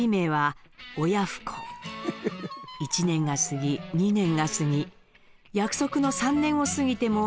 １年が過ぎ２年が過ぎ約束の３年を過ぎても一向に売れません。